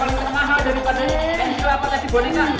yang dikelapatkan di boningan